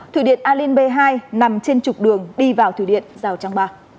thủy điện alin b hai nằm trên trục đường đi vào thủy điện rào trang ba